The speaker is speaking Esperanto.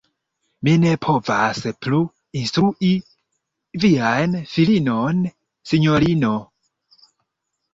Mi ne povas plu instrui vian filinon, sinjorino.